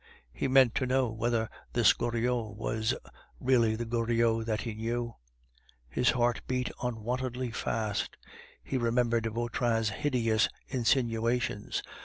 He meant to know whether this Goriot was really the Goriot that he knew. His heart beat unwontedly fast; he remembered Vautrin's hideous insinuations.